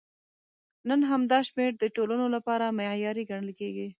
نن هم دا شمېر د ټولنو لپاره معیاري ګڼل کېږي.